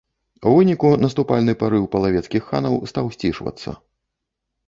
У выніку наступальны парыў палавецкіх ханаў стаў сцішвацца.